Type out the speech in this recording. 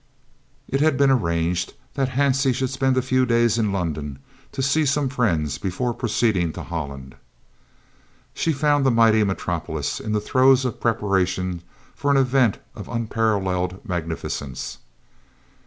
It had been arranged that Hansie should spend a few days in London to see some friends before proceeding to Holland. She found the mighty metropolis in the throes of preparation for an event of unparalleled magnificence.